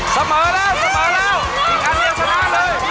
เสมอแล้วอีกอันเดียวเสมอเลย